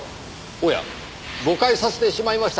おや誤解させてしまいましたか。